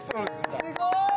すごーい！